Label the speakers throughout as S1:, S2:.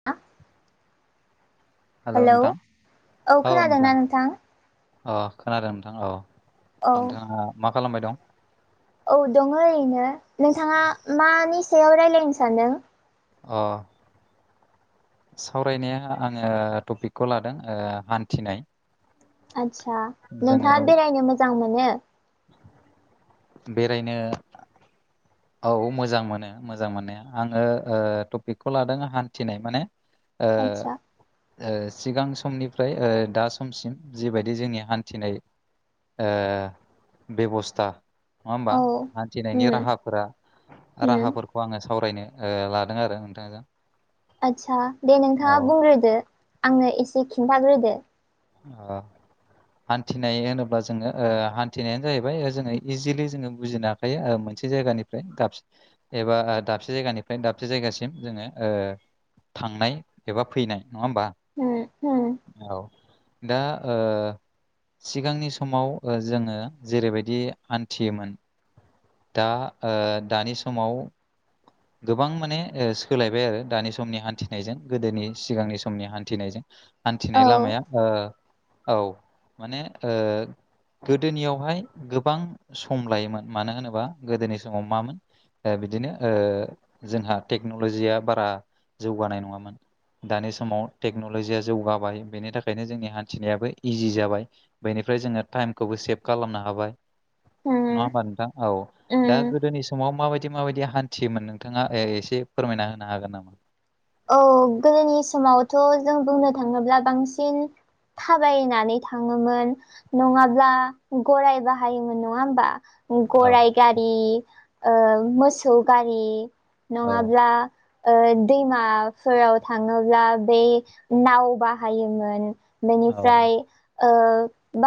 S1: [inaudible]
S2: हेल'
S1: hello
S2: नोंथां
S1: औ खोनादोंना नोंथां?
S2: अ खोनादों नोंथाङा औ
S1: औ
S2: नोंथाङा मा खालामबाय दं?
S1: औ दङो ओरैनो नोंथाङा मानि सायाव रायलायनो सानदों।
S2: अ सावरायनाया आङो टपिकखौ लादों ओ हान्थिनाय।
S1: आदसा
S2: जोङो
S1: नोंथाङा बेरायनो मोजां मोनो?
S2: बेरायनो औ मोजां मोनो मोजां मोननाया आङो ओ टपिकखौ लादों हान्थिनाय माने ओ
S1: आदसा
S2: ओ सिगां समनिफ्राय ओ दा समसिम जिबायदि जोंनि हान्थिनाय ओ बेब'स्था नङा होमबा
S1: औ
S2: हान्थिनायनि
S1: उम
S2: राहाफोरा
S1: उम
S2: राहाफोर खौ आङो सावरायनो ओ लादों आरो नोंथांजों।
S1: आदसा दे
S2: औ
S1: नोंथाङा बुंग्रोदो आंनो एसे खिन्थाग्रोदो
S2: ओ हान्थिनाय होनोब्ला जोङो ओ हान्थिनायानो जाहैबाय जोङो इजिलि जोङो बुजिना थाखायो ओ मोनसे जायगानिफ्राय दाब एबा दाबसे जायगानिफ्राय दाबसे जायगासिम जोङो ओ थांनाय एबा फैनाय नङा होमबा?
S1: उम उम
S2: औ दा आ सिगांनि समाव जोङो जेरैबायदि हान्थियोमोन दा ओ दानि समाव गोबां माने ओ सोलायबाय आरो दानि समनि हान्थिनायजों गोदोनि सिगांनि समनि हान्थिनायजों
S1: औ
S2: हान्थिनाय लामाया ओ औ माने गोदोनियावहाय गोबां सम लायोमोन मानो होनोबा गोदोनि समाव मामोन ओ बिदिनो ओ जोंहा टेक्नलजिया बारा जौगानाय नङामोन दानि समाव टेक्न'ल'जिया जौगाबाय बेनि था बेखायनो जोंनि हान्थिनायाबो इजि जाबाय बेनिफ्राय जोङो टाइमखौबो सेभ खालामनो हाबाय
S1: उम
S2: नङा होमबा नोंथां औ
S1: उम
S2: दा गोदोनि समाव माबायदि माबायदि हान्थियोमोन नोंथाङा ओ एसे फोरमायना होनो हागोन नामा?
S1: औ गोदोनि समावथ' जों बुंनो थाङोब्ला बांसिन थाबायनानै थाङोमोन नङाब्ला गराय बाहायोमोन नङा होमबा?
S2: औ
S1: गराय गारि ओ मोसौ गारि
S2: औ
S1: नङाब्ला ओ दैमाफोराव थाङोब्ला बे नाव बाहायोमोन
S2: औ
S1: बेनिफ्राय ओ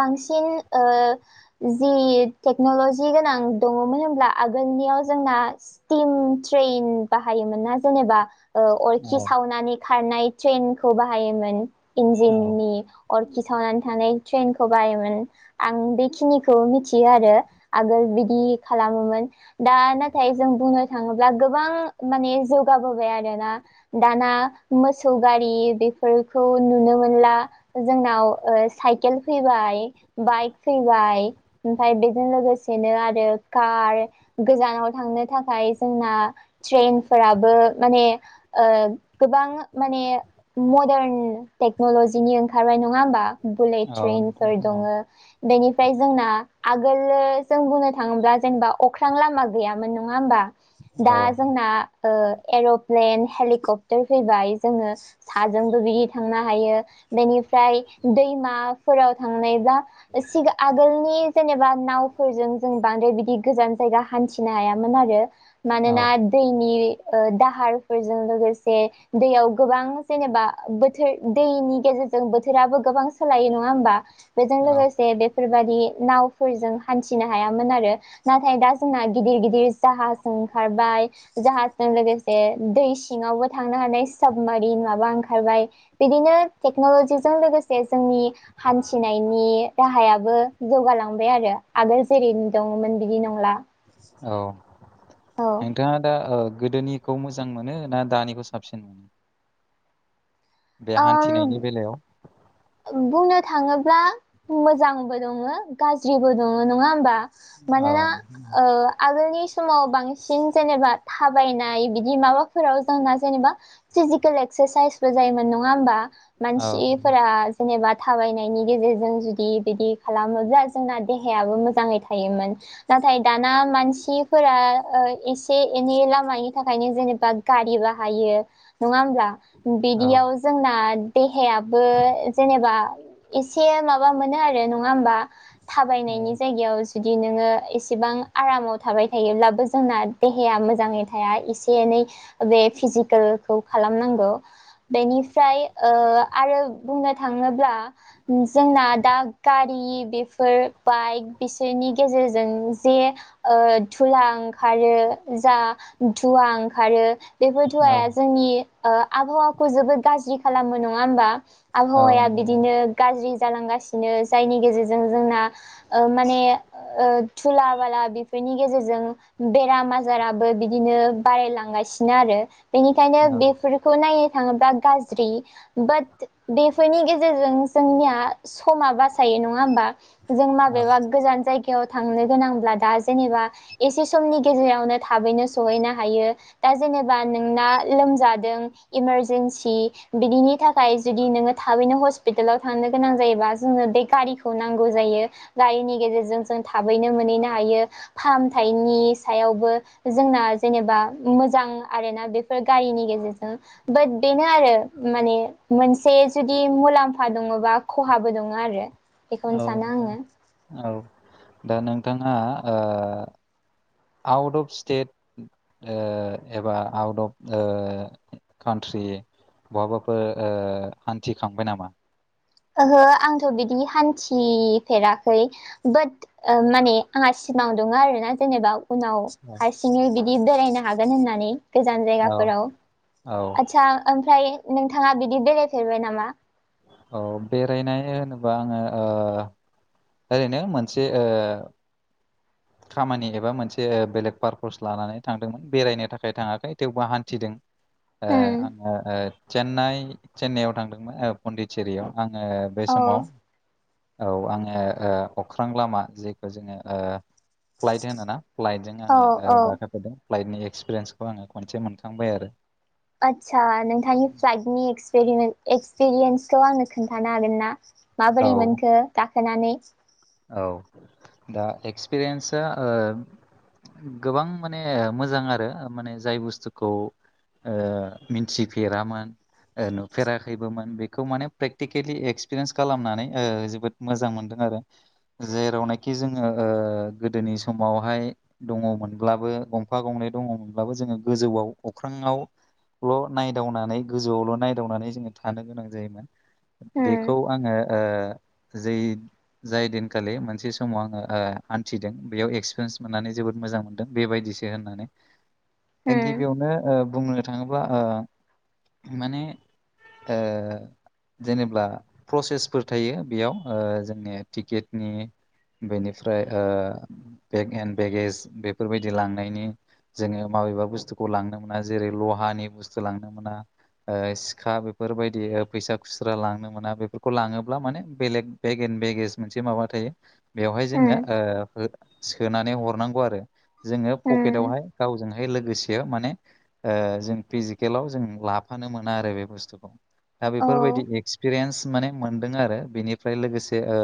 S1: बांसिन ओ जि टेक्न'ल'जि गोनां दङ'मोन होमब्ला आगोलनियाव जोंना स्टिम ट्रेन बाहायोमोन ना जेनेबा ओ
S2: औ
S1: अरखि सावनानै खारनाय ट्रेनखौ बाहायोमोन
S2: औ
S1: इन्जिननि अरखि सावनानै थानाय ट्रेनखौ बाहायोमोन आं बेखिनिखौ मिथियो आरो आगोल बिदि खालामोमोन दा नाथाय जों बुंनो थाङोब्ला गोबां माने जौगाबोबाय आरो दा दाना मोसौ गारि बेफोरखौ नुनो मोनला जोंनाव साइकेल फैबाय बाइक फैबाय ओमफ्राय बेजों लोगोसेनो आरो कार गोजानाव थांनो थाखाय जोंना ट्रेनफोराबो माने ओ गोबां माने मदारन टेक्नल'जिनि ओंखारनाय नङा होमबा बुलेट
S2: औ नोंथां
S1: ट्रेनफोर
S2: औ
S1: दङ' बेनिफ्राय जोंना आगोल जों बुंनो थाङोब्ला जेनेबा अख्रां लामा गैयामोन नङा होनबा दा
S2: औ
S1: जोंना ओ एर प्लेन हेलिकप्टार फैबाय जोङो साजोंबो बिदि थांनो हायो बेनिफ्राय दैमाफोराव थांनाय बा सिगां आगोलनि जेनेबा नावफोरजों जों बांद्राय बिदि गोजान जायगा हान्थिनो हायामोन आरो।
S2: औ
S1: मानोना दैनि दाहार फोरजों लोगोसे दैयाव गोबां जेनेबा बोथोर दैनि गेजेरजों बोथोराबो गोबां सोलायो नङा होमबा बेजों
S2: औ
S1: लोगोसे बेफोरबायदि नावफोरजों हान्थिनो हायामोन आरो नाथाय दा जोंना गिदिर गिदिर जाहाज ओंखारबाय जाहाजजों लोगोसे दै सिङावबो थांनो हानाय साबमारिन माबा ओंखारबाय बिदिनो टेक्न'लजिजों लोगोसे जोंनि हान्थिनायनि राहायाबो जौगालांबाय आरो आगोल जेरै दङ'मोन बिदि नंला।
S2: औ
S1: औ
S2: नोंथाङा दा ओ गोदोनि खौ मोजां मोनो ना दानिखौ साबसिन मोनो? बे
S1: ओम
S2: हान्थिनायनि बेलायाव
S1: बुंनो थाङोब्ला मोजांबो दङ' गाज्रिबो दङ' नङा होमबा?
S2: औ
S1: मानोना ओ आगोलनि समाव बांसिन जेनेबा थाबायनाय बिदि माबाफोराव जोंना जेनेबा फिजिकेल एक्सारसाइसबो जायोमोन नङा होमबा
S2: औ
S1: मानसिफोरा जेनेबा थाबायनायनि गेजेरजों जुदि बिदि खालामोब्ला जोंना देहायाबो मोजाङै थायोमोन, नाथाय दाना मानसिफोरा एसे एनै लामानि थाखायनो जेनेबा गारि बाहायो नङा होब्ला
S2: औ
S1: बिदियाव जोंना देहायाबो, जेनेबा एसे माबा मोनो आरो नङा होमबा थाबायनायनि जायगायाव जुदि नोङो एसेबां आरामाव थाबाय थायोब्लाबो जोंना देहाया मोजाङै थाया एसे एनै बे फिजिकेलखौ खालामनांगौ बेनिफ्राय आरो बुंनो थाङोब्ला जोंना दा गारि बेफोर बाइक बिसोरनि गेजेरजों जे धुला ओंखारो जा धुवा ओंखारो बेफोर धुवाया
S2: औ
S1: जोंनि आबहावाखौ जोबोद गाज्रि खालामो नङा होमबा
S2: औ
S1: आबहावाया
S2: नोंथां
S1: बिदिनो गाज्रि जालांगासिनो जायनि गेजेरजों जोंना ओ माने ओ थुला बाला बेफोरनि गेजेरजों बेराम आजाराबो बिदिनो बारायलांगासिनो आरो बेनिखायनो
S2: औ
S1: बेफोरखौ नायनो थाङोब्ला गाज्रि बाट बेफोरनि गेजेरजों जोंनिया समा बासायो नङा होमबा जों
S2: औ
S1: माबेबा गोजान जायगायाव थांनो गोनांब्ला दा जेनेबा एसे समनि गेजेरावनो थाबैनो सहैनो हायो। दा जेनेबा नोंना लोमजादों इमारजेनसि बिदिनि थाखाय जुदि नोङो थाबैनो हस्पिटालाव थांनो गोनां जायोबा जोङोनो बे गारिखौ नांगौ जायो। गारिनि गेजेरजों जों थाबैनो मोनहैनो हायो। फाहामथायनि सायावबो जोंना, जेनेबा मोजां आरो ना बेफोर गारिनि गेजेरजों, बाट बेनो आरो माने मोनसे जुदि मुलाम्फा दङोबा खहाबो दङ आरो बेखौनो
S2: औ
S1: सानो
S2: नोंथां
S1: आङो
S2: औ दा नोंथाङा, आउट अफ स्टेट ओ एबा आउट अफ कान्ट्रि बहाबाफोर ओ हान्थिखांबाय नामा?
S1: ओहो आंथ' बिदि हान्थिफेराखै बाट माने आंहा सिमाङाव दङ आरो ना जेनेबा उनाव
S2: औ
S1: हारसिङै बिदि बेरायनो हागोन होननानै, गोजान जायगाफोराव
S2: औ
S1: आदसा ओमफ्राय नोंथाङा बिदि बेरायफेरबाय नामा?
S2: औ बेरायनाय होनोबा आङो ओरैनो मोनसे ओ खामानि एबा मोनसे बेलेग पार्पस लानानै थांदोंमोन बेरायनो थाखाय थाङाखै थेवबो हान्थिदों, ओ
S1: उम
S2: ओ चेन्नाइ चेन्नाइआव थांदोंमोन पण्डितचेरयाव आङो बे
S1: औ
S2: समाव औ आङो ओ अख्रां लामा जेखौ जोङो, फ्लाइट होनोना फ्लाइटजों
S1: औ
S2: आङो
S1: औ
S2: गाखोफेरदों फ्लाइटनि एक्सपिरियेन्सखौ आङो खनसे मोनखांबाय आरो
S1: आदसा नोंथांनि फ्लाइटनिप एक्सपिरियेन्सखौ आंनो खोन्थानो हागोन ना? माबोरै
S2: औ
S1: मोनखो गाखोनानै
S2: औ दा एक्सपिरियेन्सा ओ गोबां माने मोजां आरो माने जाय बुस्थुखौ, ओ मिथिफेरामोन नुफेराखैबोमोन बेखौ माने प्रेकटिकेलि एक्सपिरियेन्स खालामनानै जोबोद मोजां मोनदों आरो जेरावनाखि जोङो ओ गोदोनि समावहाय दङमोनब्लाबो गंफा गंनै दङमोनब्लाबो जोङो गोजौआव अख्रांआव ल' नायदावनानै गोजौआवल' नायदावनानै जोङो थानो गोनां जायोमोन। बेखौ
S1: उम
S2: आङो ओ जै जाय दिनखालि मोनसे समाव आङो ओ आन्थिदों बेयाव एक्सपिरियेन्स मोननानै जोबोद मोजां मोनदों। बेबायदिसो होननानै
S1: [inaudible]
S2: दा
S1: उम
S2: गिबियावनो ओ बुंनो थाङोब्ला ओ माने ओ जेनेब्ला प्रसेसफोर थायो बेयाव ओ जोंनिया टिकेटनि बेनिफ्राय ओ बेगेन बेगेज बेफोरबायदि लांनायनि जोङो माबेबा बुस्थुखौ लांनो मोना जेरै लहानि बुस्थु लांनो मोना, ओ सिखा बेफोरबायदि फैसा खुस्रा लांनो मोना बेफोरखौ लाङोब्ला माने बेलेग बेगेन बेगेज मोनसे माबा थायो बेवहाय जोङो
S1: उम
S2: ओ सोनानै हरनांगौ आरो जोङो
S1: उम
S2: पकेटवहाय गावजों, बे लोगोसे माने जों फिजिकेलाव जों लाफानो मोना आरो बे बुस्थुखौ। दा
S1: औ
S2: बेफोरबायदि एक्सपिरियेन्स माने मोनदों आरो बेनिफ्राय लोगोसे ओ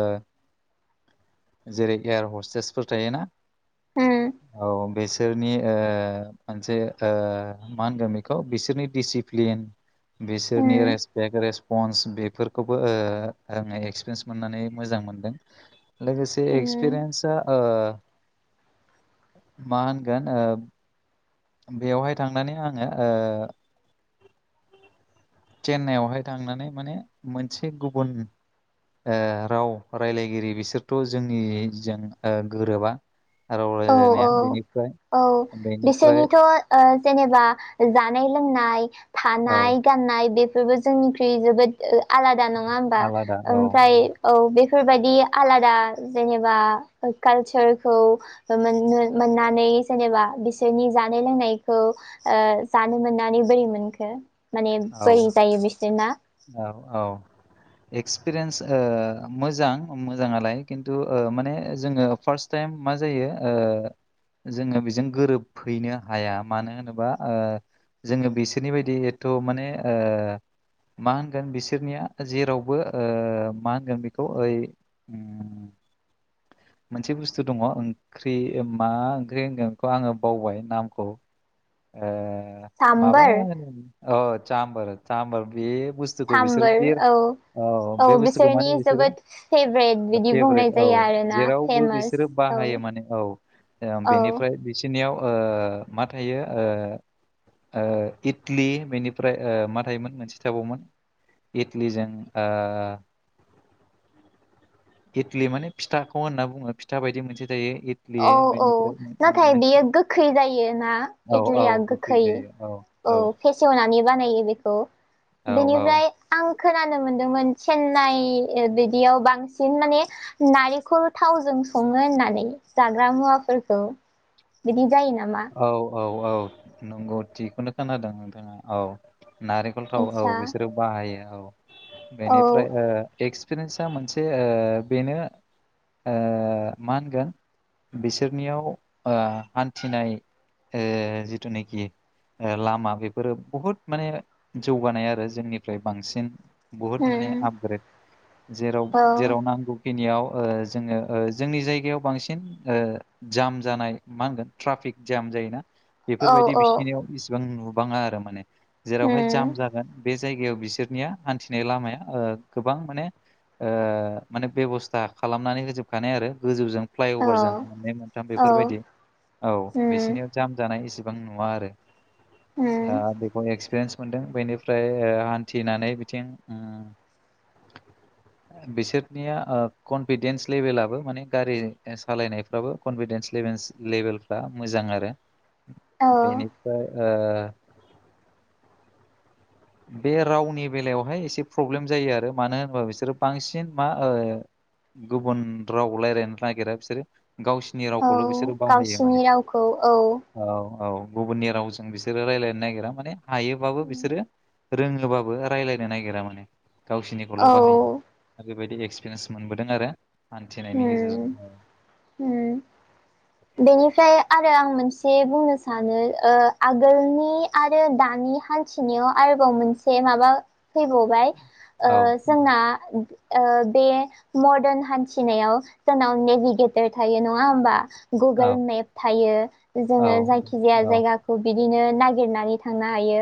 S2: जेरै एयार हस्टेसफोर थायोना
S1: उम
S2: औ बेस बिसोरनि ओ मोनसे ओ मा होनगोन बेखौ बिसोरनि दिडिसिप्लिन
S1: उम
S2: बेसोरनि रेस्पेक्ट रेस पन्स बेफोरखौबो ओ आङो एक्सपिरियेन्स मोननानै मोजां मोनो। लोगोसे
S1: उम
S2: एक्सपिरियेन्सा ओ मा होनगोन ओ बेयावहाय थांनानै आङो ओ चेन्नाइआवहाय थांनानै माने मोनसे गुबुन ओ राव रायलायगिरि बिसोरथ' जोंनिजों गोरोबा। राव
S1: औ औ
S2: रायलायनाया बेनिफ्राय
S1: औ
S2: बेनिफ्राय
S1: बिसोरनिथ' ओ जेनेबा जानाय लोंनाय
S2: औ
S1: थानाय गाननाय बेफोरबो जोंनिख्रुइ जोबोद आलादा नङा होमबा
S2: आलादा औ
S1: ओमफ्राय औ बेफोरबायदि आलादा जेनेबा कालचारखौ मोन मोननानै जेनेबा बिसोरनि जानाय लोंनायखौ ओ जानो मोननानै बोरै मोनखो माने
S2: औ
S1: बोरै जायो बिसोरना?
S2: औ औ। एक्सपिरियेन्स ओ मोजां मोजाङालाय खिन्थु ओ माने जोङो फार्स्ट टाइम मा जायो ओ जोङो बेजों गोरोबहैनो हाया मानो होनोबा ओ जोङो बिसोरनि बायदि एथ' माने ओ मा होनगोन बिसोरनिया जेरावबो ओ मा होनगोन बेखौ ओइ उम,
S1: [inaudible]
S2: मोनसे बुस्थु दङ ओं ओंख्रि मा ओंख्रि होनगोनखौ आङो बावबाय नामखौ ओ माबा
S1: साम्बार
S2: औ चामबार चामबार बे बुस्थुखौ बिसोरो
S1: साम्बार
S2: जिर
S1: औ
S2: औ बे बुस्थुखौ
S1: बिसोरनि
S2: माने बिसोरो
S1: जोबोद फेभरेट बिदि बुंनाय
S2: फेभरेट औ
S1: जायो आरोना
S2: जेरावबो
S1: फेमास
S2: बिसोरो
S1: औ
S2: बाहायो माने औ
S1: औ
S2: बेनिफ्राय बिसिनियाव ओ मा थायो ओ ओ इटलि बेनिफ्राय ओ मा थायोमोन मोनसे थाबावोमोन। इटलिजों ओ इदलि माने फिथाखौ होनना बुङो फिथा बायदि मोनसे जायो। इटलि
S1: औ औ
S2: बेनिफ्राय मो- मो-
S1: नाथाय
S2: मोनसे
S1: बियो गोखै जायो ना इदलिया गोखै औ। फेसेवनानै बानायो बेखौ
S2: औ औ
S1: बेनिफ्राय आं खोनानो मोनदोंमोन चेन्नाइ बिदियाव बांसिन माने नारेंखल थावजों सङो होननानै जाग्रा मुवाफोरखौ बिदि जायो नामा?
S2: औ औ औ नंगौ थिखौनो खोनादों नोंथाङा औ नारें औ औ थाव औ
S1: आदसा
S2: बिसोरो बाहायो औ
S1: औ
S2: बेनिफ्राय ओ एक्सपिरियेन्सा मोनसे ओ बेनो ओ मा होनगोन बिसोरनियाव ओ हान्थिनाय ए जिथु नोखि ओ लामा बेफोरो बहुद माने जौगानाय आरो जोंनिफ्राय बांसिन। बुहुद माने
S1: उम
S2: आपग्रेड जेराव
S1: औ
S2: जेराव नांगौ खिनियाव ओ जोङो ओ जोंनि जायगायाव बांसिन ओ जाम जानाय मा होनगोन ट्राफिक जाम जायोना
S1: औ
S2: बेफोरबायदि
S1: औ
S2: बिसिनायाव इसिबां नुबाङा आरो माने। जेरावहाय
S1: उम
S2: जाम जागोन बे जायगायाव बिसोरनिया हान्थिनाय लामाया गोबां माने ओ माने बेब'स्था खालामनानै होजोबखानाय आरो गोजौजों
S1: औ
S2: फ्लाइअभारजों मोननै मोनथाम
S1: औ
S2: बेफोरबायदि औ
S1: उम
S2: बिसिनियाव जाम जानाय इसेबां नुवा आरो
S1: उम
S2: ओ बे एक्सपिरियेन्स मोनदों बेनिफ्राय हान्थिनानै बिथिं बिसोरनिया कनफिदेन्स लेभेलाबो माने गारि सालायनायफ्राबो कनफिडेन्स लेभेलफ्रा मोजां आरो
S1: औ
S2: बेनिफ्राय ओ बे रावनि बेलायावहाय एसे प्रब्लेम जायो आरो मानो होनोबा बिसोरो बांसिन मा ओ गुबुन राव रायजलायनो नागिरा बिसोरो गावसिनि
S1: औ
S2: रावखौल' बिसोरो बाहायो माने
S1: गावसिनि रावखौ औ
S2: औ औ गुबुननि रावजों बिसोरो रायजलायनो नागिरा माने हायोबाबो बिसोरो रोङोबाबो रायज्लायनो नागिरा मे गावसिनिखौल'
S1: औ
S2: बाहायो बेबायदि एक्सपिरियेन्स मोनबोदों आरो हान्थिनायनि गेजेरजों औ
S1: उम बेनिफ्राय आरो आं मोनसे बुंनो सानो ओ आगोलनि आरो दानि हान्थिनायाव आरोबाव मोनसे माबा फैबाव बाय ओ
S2: औ
S1: जोंना ओ बे मर्दान हान थिनायाव जोंनाव नेभिगेटर थायो नङा होमबा
S2: औ
S1: गुगोल मेप थायो
S2: औ
S1: जोङो जायखि जाया
S2: औ
S1: जायगा खौ बिदिनो नागिरनानै थांनो हायो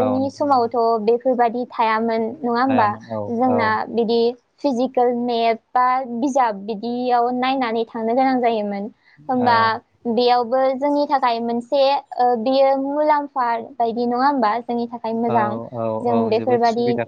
S2: औ नोंथां औ
S1: समावथ' बेफोरबायादि थायामोन नङा होमबा
S2: हायामोन औ औ
S1: जोंना बिदि फिजिकेल मेप बा बिजाब बिदियाव नायनानै थांनो गोनां जायोमोन
S2: औ
S1: होमबा बेयावबो जोंनि थाखाय मोनसे बेयो मुलाम्फा बायदि नंङा होमबा जोंनि थाखाय
S2: औ
S1: मोजां
S2: औ औ
S1: जों
S2: जोबोद
S1: बेफोरबादि
S2: सुबिदा